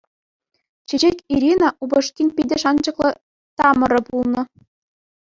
Чечек-Ирина упӑшкин питӗ шанчӑклӑ тамӑрӗ пулнӑ.